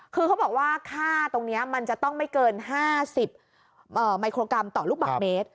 คือเขาบอกว่าค่าตรงนี้มันจะต้องไม่เกิน๕๐มิโครกรัมต่อลูกบาทเมตร